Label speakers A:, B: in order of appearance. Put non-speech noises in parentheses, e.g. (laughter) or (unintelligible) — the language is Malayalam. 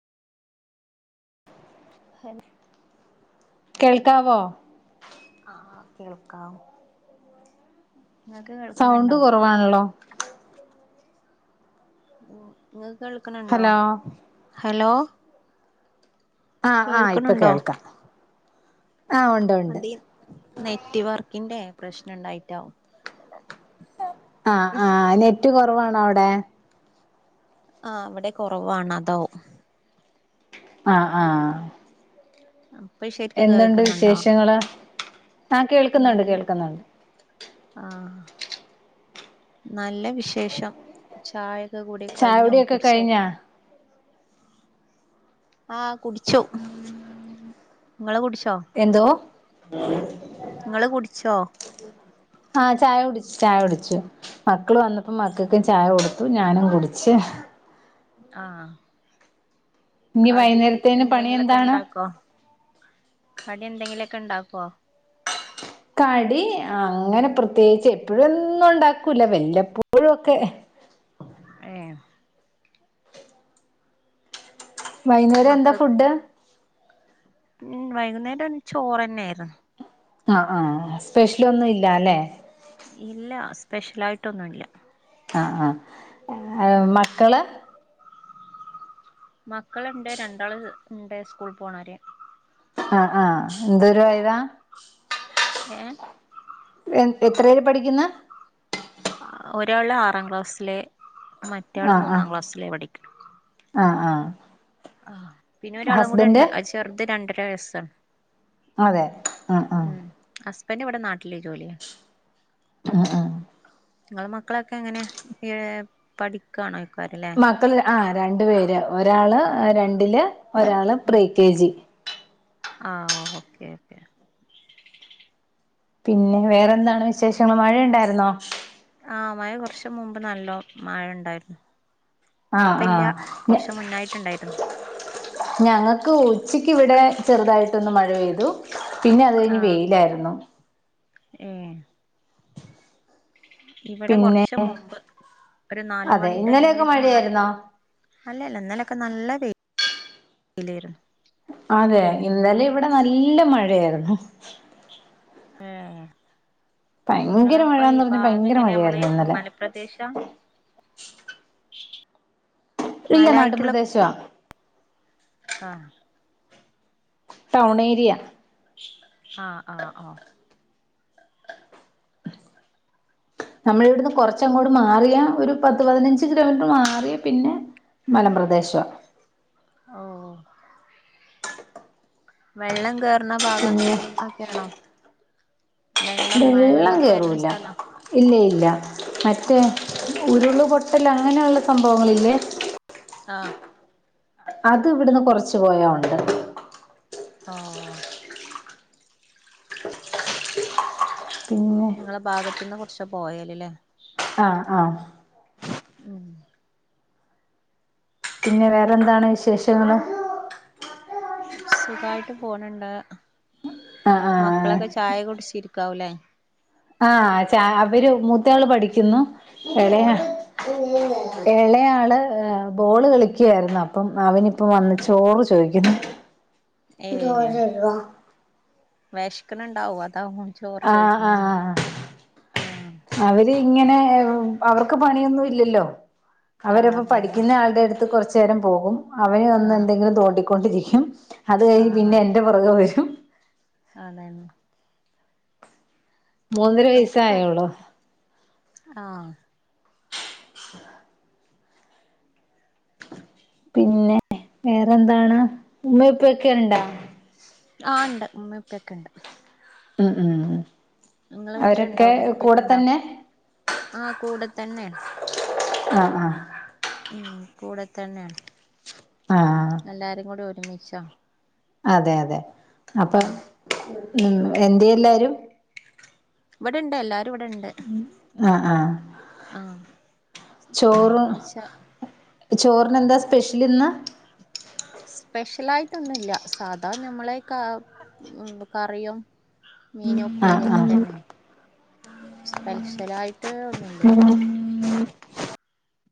A: ഹൽ
B: കേൾക്കാവോ
A: ആഹ് കേൾക്കാം ഇങ്ങക്ക്
B: സൗണ്ട്
A: കേൾക്ക്ണണ്ടോ
B: കുറവാണല്ലോ
A: ഓ വ കേണണ്ടോ
B: ഹലോ
A: ഹലോ
B: ആഹ് ആഹ ഇപ്പൊ കേൾക്കാം ആഹ് ഉണ്ട് ഉണ്ട്
A: അത നെറ്റ് വർക്കിന്റെ പ്രശ്നുണ്ടായിട്ടാവും
B: ആ ആ നെറ്റ്റ (unintelligible) കുറവാണ അവിടെ
A: ആ അവിടെ കുറവാണ് അതോ
B: ആ ആ
A: ഇപ്പൊ ശരിക്ക്
B: എന്തുണ്ട്
A: കേൾക്കുന്നുണ്ടോ
B: വിശേഷങ്ങൾ ആ കേൾക്കുന്നുണ്ട്
A: നല്ല
B: കേൾക്കുന്നുണ്ട്
A: ആഹ് നല്ല വിശേഷം ചായ (unintelligible) ഇ (inaudible) കൂടെ കഴിഞ്ഞോ
B: ചായകുടിയൊക്കെ
A: കുടിച്ചോ
B: കഴിഞ്ഞാ
A: ആ കുടി (unintelligible) ടിച്ചു നിങ്ങളെ കുടി (unintelligible)
B: എന്തോ
A: ഇങ്ങള് കുടിച്ചോ
B: ആ ചായ കുടിച്ചു ചായ കുടിച്ചു മക്കള് വന്നപ്പോ മക്കൾക്കും ചായ കൊടുത്തു ഞാനും കുടിച്ച്
A: ആ
B: ഇനി
A: കടി
B: വൈകുന്നേരത്തേന് പണി
A: എന്തെങ്കിലൊക്കെ
B: എന്താണ്
A: ഇണ്ടാക്കോ കടി എന്തെങ്കിലുമൊക്കെ ഇണ്ടാക്കുവോ
B: കടി അങ്ങനെ പ്രത്യേകിച്ച് എപ്പോഴും ഒന്നും ഉണ്ടാക്കൂല വല്ലപ്പോഴും ഒക്കെ
A: എ
B: വൈകുന്നേരം എന്താ ഫുഡ്
A: ഉ വൈകുന്നേരം ചോറ്ന്നെ ആയിരുന്നു
B: ആ ആ സ്പെഷ്യൽ ഒന്നും ഇല്ല അല്ലേ
A: ഇല്ല സ്പെഷ്യലായിട്ടൊന്നുംല്ല
B: ആആ മക്കള്
A: മക്കളുണ്ട് രണ്ടാള ഉണ്ട് സ്കൂള പോകണര്
B: ആ ആ എന്തരു വയതാ
A: ഏഏ
B: (inaudible) പഠിക്കുന്ന
A: ഒരാൾ ആറാം ക്ലാസ്സിലെ മറ്റയാള്
B: ആഹ് ആഹ്
A: മൂന്നാം ക്ലാസ്സിലേ പഠിക്കു
B: ആ
A: ആ പിന്നെ ഒരാളം കൂടി ഉണ്ട് ചെറുത് രണ്ട വയസ്സ്
B: അതെ ആ ആ
A: ന്നെ ഇവിടെ നാട്ടില്േ ജോലിയാണ്
B: ആ ആ
A: നിങ്ങള മക്കളൊക്കെ എങ്ങനെ ഈ പഠിക്കണോ പരില
B: ആ രണ്ട് പേര് ഒരാള് രണ്ടില് ഒരാള് പ്രീ കെ ജി
A: ആഹ് ഓക്കെ ഓക്കെ
B: പിന്നെ വേറെന്താണ് വിശേഷങ്ങൾ മഴയുണ്ടായിരുന്നോ
A: ആ മഴ കുറച്ച് മുമ്പ് നല്ല മഴ ഉണ്ടായിരുന്നു
B: ആഹ്
A: ഇപ്പ ഇല്ല
B: ആഹ് ഞ
A: കുറച്ച് മുന്നായിട്ടുണ്ടായിരുന്നു
B: ഞങ്ങക്ക് ഉച്ചക്ക് ഇവിടെ ചെറുതായിട്ടൊന്ന് മഴ പെയ്തു പിന്നെ അത് കഴിഞ്ഞ് വെയിലാരുന്നു
A: ഏഹ് ഇവിടെ
B: പിന്നെ
A: കുറച്ച് മുമ്പ് ഒരു
B: അതെ
A: നാലുമണി ടൈമില്
B: ഇന്നലെയൊക്കെ
A: നാലര
B: മഴയായിരുന്നോ
A: അല്ലല്ല ഇന്നലൊക്കെ നല്ലേ തെ ഇല്ലാരുന്നു
B: അതെ ഇന്നലെ ഇവിടെ നല്ല മഴയാരുന്നു
A: ഏഹ്
B: ഭയങ്കര
A: നിങ്ങളപ്പ ഈ
B: മഴന്ന് പറഞ്ഞ
A: ഭാത്
B: ഭയങ്കര
A: എങ്ങനെയ നമ്മളെ
B: മഴയായിരുന്നു ഇന്നലെ
A: മലപ്രദേശാ
B: ഇല്ല നാട്ട്
A: മലായിട്ടുള്ള
B: പ്രദേശ്യ
A: ആഹ്
B: ടൗൺ ഏരിയ
A: ആഹ് ആഹ് ആഹ്
B: നമ്മൾ ഇവിടുന്ന് കൊറച്ചങ്ങോട്ട് മാറിയാ ഒരു പത്ത് പതിനഞ്ച് കിലോമീറ്റർ മാറിയാ പിന്നെ മലമ്പ്രദേശവാ
A: ഓ വെള്ളം കേറുന്ന ഭാഗം അങ്ങനെ
B: പിന്നെ
A: ഒക്കെആണോ
B: വെള്ളം കേറുല്ല ഇല്ലഇല്ല മറ്റേ ഉരുള് പൊട്ടല്ല് അങ്ങനെഉള്ള സംഭങ്ങളില്ലേ
A: ആഹ്
B: അത് ഇവിട്ന്ന് കൊറച്ച് പോയാ (unintelligible)
A: ഓഹ്
B: പിന്നെ
A: ഇങ്ങള ഭാഗത്ത്ന്ന് കൊറ്ച്ച പോയാല് ല്ലേ
B: ആഹ് ആഹ്
A: ഉം
B: പിന്നെ വേറെ എന്താണ് വിശേഷങ്ങൾ
A: സുഖായി ഫോണ് ഇണ്ട്
B: ആഹ് ആഹ്
A: മക്കളൊക്കെ ചായ കുടിച്ചിരിക്കാവുലേ
B: ആ ചാ അവര് മൂത്തയാള് പഠിക്ക്യുന്നു എളയ
A: ഉം
B: എളെ ആള് ബോള് കളിക്ക്യാര്ന്നു അപ്പം അവനിപ്പം വന്ന് ചോറ് ചോയ്ക്കുന്നു ചോറ് തരോ
A: വെഷ്ക്ക്‌ണ്ണ്ടാവും അതാവു
B: ആ ആഹ്
A: ആഹ്
B: അവര് ഇങ്ങനെ അവർക്ക് പണിയൊന്നും ഇല്ലല്ലോ
A: ആഹ്
B: അവരപ്പം
A: അതന്നെ
B: പഠിക്കുന്ന ആളുടെ അടുത്ത് കൊറച്ച് ചേരം പോകും അവന് വന്ന്
A: ആഹ്
B: എന്തെങ്കിലും തോണ്ടി കൊണ്ടിരിക്കും അത് കഴിഞ്ഞ് പിന്നെ എന്റെ പുറകെ വരും
A: അതെന്ന
B: മൂന്നര
A: അവരിപ്പൊ കളി
B: വയസ്സായോള്ളൂ
A: ആഹ്
B: പിന്നെ വേറെന്താണ് ഉമ്മ ഉപ്പ യൊക്കെണ്ട
A: ആ ണ്ട് ഉമ്മ ഉപ്പ ക്കെണ്ട്
B: ഉം ഉം ഉം
A: നിങ്ങളെ വീട്ടിലുണ്ടോ
B: അവരൊക്കെ
A: ഉമ്മപ്പക്കെ
B: കൂടെ
A: ഉണ്ടോ
B: തന്നെ
A: ആ കൂട തെന്നെ
B: അ ആ
A: ഉം കൂടെ തന്നെയാണ്
B: ആഹ്
A: എല്ലാരും കൂടി ഒരു മിഷാ
B: അതെ അതെ അപ്പൊ
A: ആഹ്
B: ഉം എന്തെ എല്ലാരും
A: ഇവടെണ്ട് എല്ലാരും ഇവടെണ്ട്
B: ആ ആ
A: ആഹ്
B: ചോറും
A: ന്ന്ച്ചാ
B: ചോറിനെന്താ സ്പെഷ്യൽ ഇന്ന്
A: ഒന്നുല്ലാ സാധാ നമ്മളെ ക കറിയും മീന്
B: ആഹ്
A: ഉപ്പേരിക്കെ
B: ആഹ്
A: തന്നെ സ്പെഷ്യലായി
B: (inaudible)